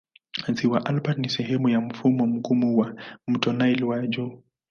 Ziwa Albert ni sehemu ya mfumo mgumu wa mto Nile wa juu.